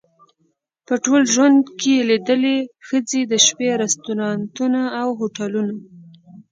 په ټول ژوند کې لیدلې ښځې د شپې رستورانتونه او هوټلونه.